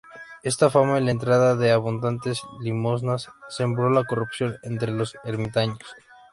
Esta fama y la entrada de abundantes limosnas, sembró la corrupción entre los ermitaños.